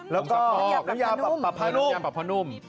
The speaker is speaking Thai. แล้วก็นุญาปรับพะนุ่ม